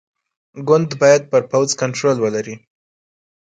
ګوند باید پر پوځ کنټرول ولري.